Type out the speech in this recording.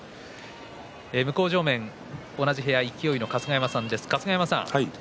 向正面は同じ部屋勢の春日山さんです。